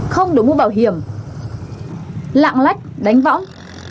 không đổi mũ bảo hiểm lạng lách đánh võng